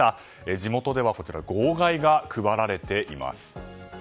地元では、号外が配られています。